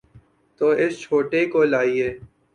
تو اس چھوٹے کو لائیے۔